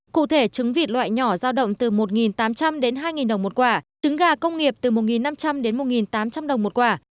cụ thể trứng vịt loại nhỏ giao động từ một tám trăm linh đến hai đồng một quả trứng gà công nghiệp từ một năm trăm linh đến một tám trăm linh đồng một quả